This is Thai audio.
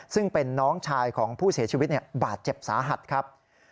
ซึ่งเป็นน้องชายของผู้เสียชีวิตบาดเจ็บสาหัสครับ